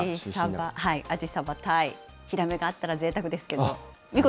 アジ、サバ、タイ、ヒラメがあったらぜいたくですけど。